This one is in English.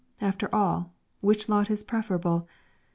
After all, which lot is preferable?